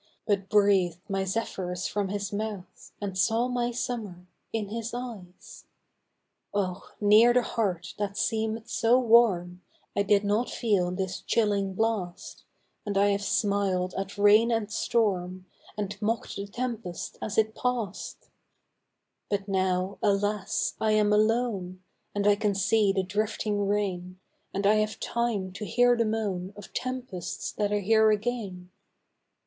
But breathed my zephyrs from his mouth, And saw my summer in his eyes ! Oh ! near the heart that seem'd so warm, I did not feel this chilling blast, And I have smiled at rain and storm, And mock'd the tempest as it past ! On a Gloomy Day, 95 But now, alas ! I am alone, And I can see the drifting rain, And I have time to hear the moan Of tempests that are here again.